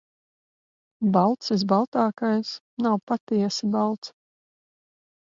Balts visbaltākais nav patiesi balts.